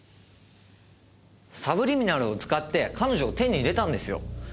サブリミナルを使って彼女を手に入れたんですよ。